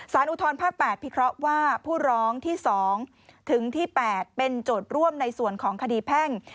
อุทธรภาค๘พิเคราะห์ว่าผู้ร้องที่๒ถึงที่๘เป็นโจทย์ร่วมในส่วนของคดีแพ่ง